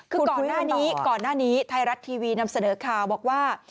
คือก่อนหน้านี้ไทยรัตร์ทีวีนำเสนอข่าวบอกว่า